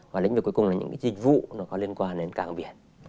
và lĩnh vực cuối cùng là những cái dịch vụ nó có liên quan đến cảng biển